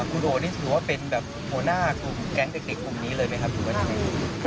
กุโดนี่หรือว่าเป็นแบบหัวหน้ากลุ่มแก๊งเด็กกลุ่มนี้เลยไหมครับ